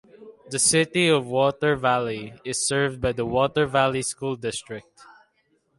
The City of Water Valley is served by the Water Valley School District.